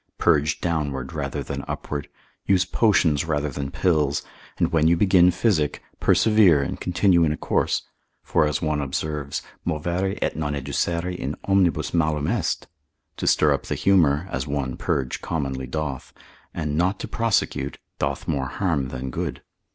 Purge downward rather than upward, use potions rather than pills, and when you begin physic, persevere and continue in a course; for as one observes, movere et non educere in omnibus malum est; to stir up the humour (as one purge commonly doth) and not to prosecute, doth more harm than good.